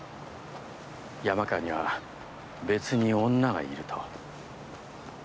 山川には別に女がいると。